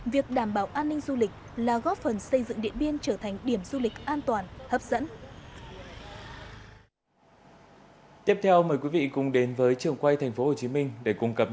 việc đảm bảo an ninh du lịch là góp phần xây dựng điện biên trở thành điểm du lịch an toàn hấp dẫn